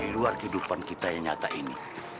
luar kehidupan kita yang nyata ini